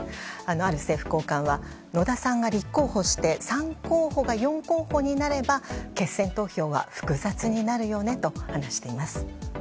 ある政府高官は野田さんが立候補して３候補が４候補になれば決選投票は複雑になるよねと話しています。